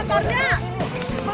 nanti kalau kenapa napa gimana